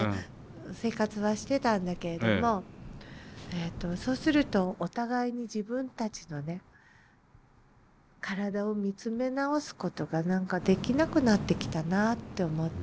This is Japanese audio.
生活はしてたんだけれどもそうするとお互いに自分たちのね体を見つめ直すことができなくなってきたなって思って。